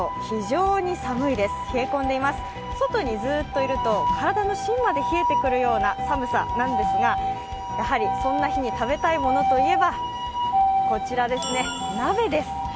非常に寒いです、冷え込んでいます外にずっといると体の芯まで冷えてくるような寒さなんですが、やはりそんな日に食べたいものと言えば鍋です。